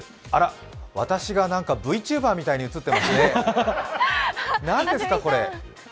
あら、私がＶＴｕｂｅｒみたいに映ってますね、何ですか、これ。